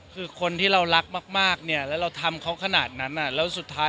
คือคนที่เรารักมากเนี่ยแล้วเราทำเขาขนาดนั้นแล้วสุดท้าย